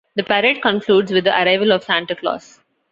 The parade concludes with the arrival of Santa Claus.